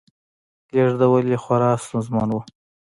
لېږدول یې خورا ستونزمن و